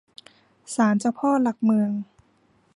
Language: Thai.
ศาลเจ้าพ่อหลักเมือง